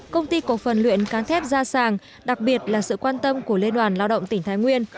công ty cổ phần luyện cán thép gia sàng đặc biệt là sự quan tâm của liên đoàn lao động tỉnh thái nguyên